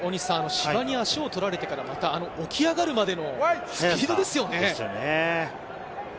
芝に足を取られてから起き上がるまでのスピードですよね。